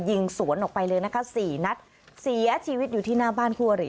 ยิงสวนออกไปเลยนะคะสี่นัดเสียชีวิตอยู่ที่หน้าบ้านคู่อริ